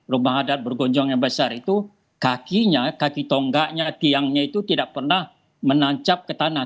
rumah adat bergonjong yang besar itu kakinya kaki tonggaknya tiangnya itu tidak pernah menancap ke tanah